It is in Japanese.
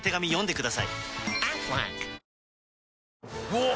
おっ！